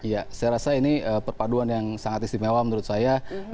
ya saya rasa ini perpaduan yang sangat istimewa menurut saya